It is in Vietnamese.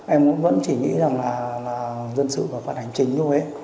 em cũng vẫn chỉ nghĩ rằng là dân sự phải phạt hành chính thôi ấy